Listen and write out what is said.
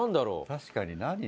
確かに何？